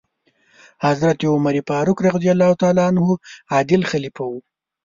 حضرت عمر فاروق رض عادل خلیفه و.